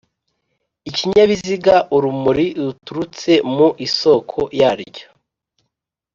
ikinyabiziga urumuri ruturutse mu isoko yarwo.